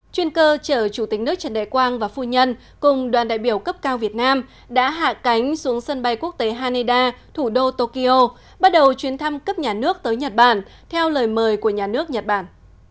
chuyên cơ chở chủ tịch nước trần đại quang và phu nhân cùng đoàn đại biểu cấp cao việt nam đã hạ cánh xuống sân bay quốc tế haneda thủ đô tokyo bắt đầu chuyến thăm cấp nhà nước tới nhật bản theo lời mời của nhà nước nhật bản